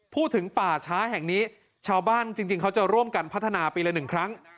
พูดถึงป่าช้าแห่งนี้ชาวบ้านจริงเขาจะร่วมกันพัฒนาปีละ๑ครั้ง